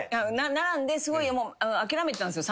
並んで諦めてたんですよ。